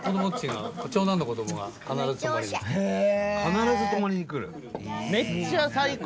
必ず泊まりに来る。